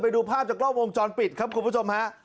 ไปดูภาพจากรอบวงจรปิดครับคุณผู้ชม